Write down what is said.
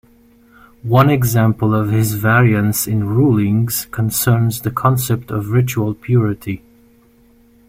One example of his variance in rulings concerns the concept of ritual purity.